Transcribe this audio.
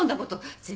全然。